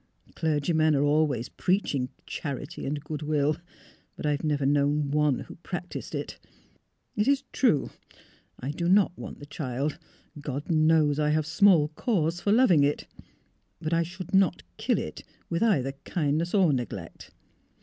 " Clergymen are always preaching char ity and good will. But I have never known one who practised it. It is true that I do not want the child; God knows I have small cause for lov ing it. But I should not kill it with either kind ness or neglect."